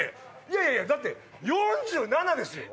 いやいやいやだって４７ですよ！？